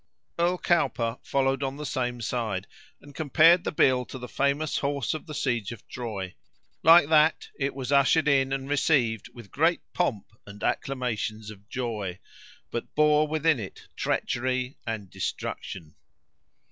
Earl Cowper followed on the same side, and compared the bill to the famous horse of the siege of Troy. Like that, it was ushered in and received with great pomp and acclamations of joy, but bore within it treachery and destruction.